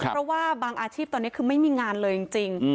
เพราะว่าบางอาชีพตอนนี้คือไม่มีงานเลยจริง